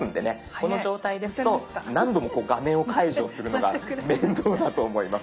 この状態ですと何度も画面を解除するのが面倒だと思います。